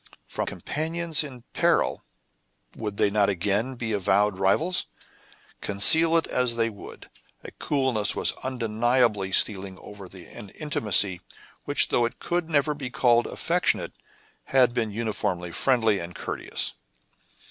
From companions in peril, would they not again be avowed rivals? Conceal it as they would, a coolness was undeniably stealing over an intimacy which, though it could never be called affectionate, had been uniformly friendly and courteous.